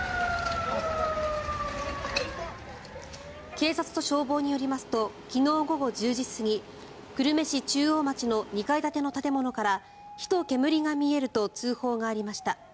警察と消防によりますと昨日午後１０時過ぎ久留米市中央町の２階建ての建物から火と煙が見えると通報がありました。